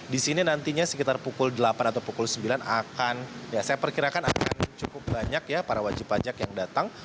di sini nantinya sekitar pukul delapan atau pukul sembilan akan ya saya perkirakan akan cukup banyak ya para wajib pajak yang datang